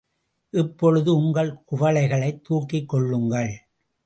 இப்பொழுது உங்கள் குவளைகளைத் தூக்கிக்கொள்ளுங்கள்.